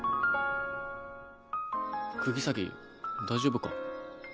釘崎大丈夫か？